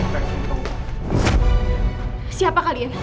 kamu gak perlu tau siapa kalian